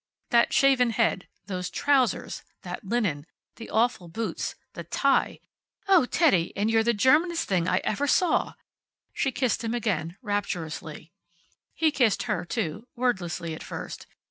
That shaven head. Those trousers. That linen. The awful boots. The tie! "Oh, Teddy, and you're the Germanest thing I ever saw." She kissed him again, rapturously. He kissed her, too, wordlessly at first.